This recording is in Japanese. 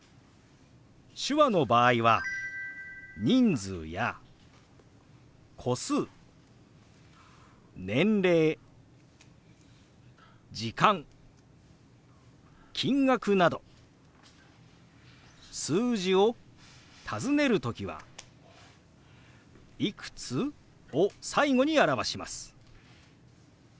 手話の場合は人数や個数年齢時間金額など数字を尋ねる時は「いくつ？」を最後に表します。